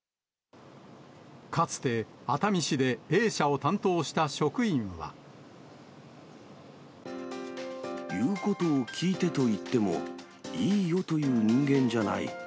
かつて熱海市でＡ社を担当し言うことを聞いてと言っても、いいよと言う人間じゃない。